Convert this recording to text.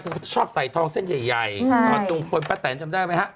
คือชอบใส่ทองเส้นใหญ่อ่อนจงคนป้าแตนจำได้ไหมฮะ